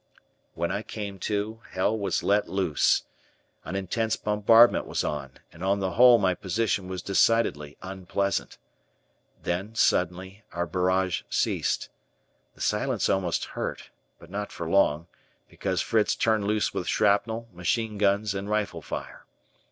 When I came to, hell was let loose. An intense bombardment was on, and on the whole my position was decidedly unpleasant. Then, suddenly, our barrage ceased. The silence almost hurt, but not for long, because Fritz turned loose with shrapnel, machine guns, and rifle fire.